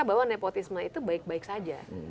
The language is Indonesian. bahwa nepotisme itu baik baik saja